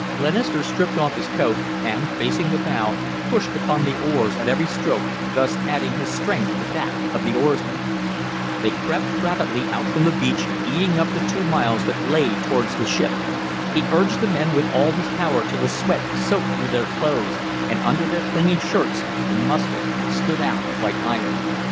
Glenister stripped off his coat and, facing the bow, pushed upon the oars at every stroke, thus adding his strength to that of the oarsmen. They crept rapidly out from the beach, eating up the two miles that lay towards the ship. He urged the men with all his power till the sweat soaked through their clothes and, under their clinging shirts, the muscles stood out like iron.